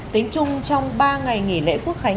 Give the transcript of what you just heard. tính chung trong ba ngày nghỉ lễ quốc khánh